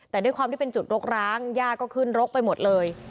แต่ด้วยความที่เป็นจุดรกร้างย่าก็ขึ้นรกไปหมดเลย